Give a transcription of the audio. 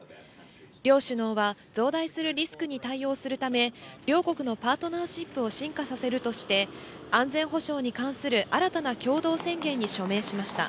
両首脳は増大するリスクに対応するため、両国のパートナーシップを進化させるとして、安全保障に関する新たな共同宣言に署名しました。